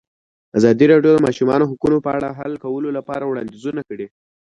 ازادي راډیو د د ماشومانو حقونه په اړه د حل کولو لپاره وړاندیزونه کړي.